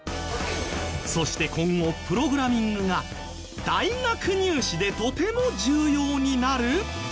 そして今後プログラミングが大学入試でとても重要になる！？